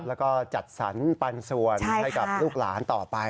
แล้วก็จัดสรรปันส่วนให้กับลูกหลานต่อไป